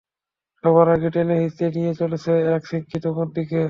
সবার আগে টেনে হিচড়ে নিয়ে চলছে এক শৃঙ্খলিত বন্দীকে।